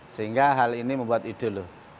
sehingga hal ini membuat ide loh